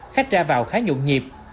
khách ra vào khá nhụm nhịp